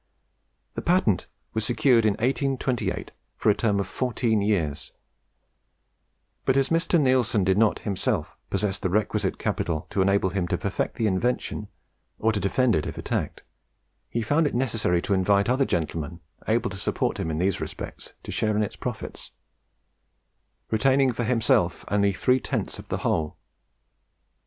The patent was secured in 1828 for a term of fourteen years; but, as Mr. Neilson did not himself possess the requisite capital to enable him to perfect the invention, or to defend it if attacked, he found it necessary to invite other gentlemen, able to support him in these respects, to share its profits; retaining for himself only three tenths of the whole.